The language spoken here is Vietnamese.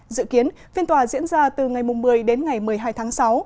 dự kiến phiên tòa diễn ra từ ngày một mươi đến ngày một mươi hai tháng sáu